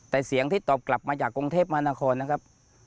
แต่เสียงที่ตอบกลับมาจากกรุงเทพมหานครนะครับ